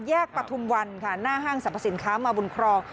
แยกประทุมวันหน้าห้างสรรพสินค้ามาบุญครอง